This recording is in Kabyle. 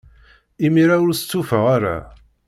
Imir-a, ur stufaɣ ara.